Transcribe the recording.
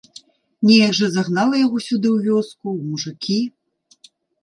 Неяк жа загнала яго сюды ў вёску, у мужыкі?!